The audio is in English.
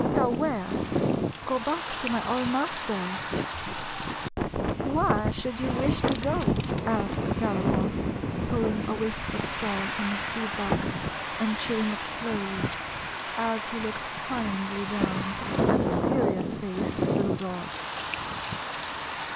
" Go where ?" "Go back to my old master." 76 A CONFIDENTIAL TALK " Why should you wish to go ?" asked Gal opoff, pulling a wisp of straw from his feed box and chewing it slowly, as he looked kindly down at the serious faced little dog.